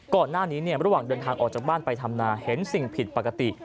ระหว่างเดินทางออกจากบ้านไปทำนาเห็นสิ่งผิดปกติ